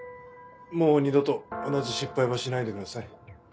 もう二度と同じ失敗はしないでください。